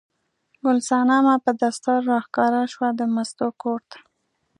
ګل صنمه په دستار راښکاره شوه د مستو کور ته.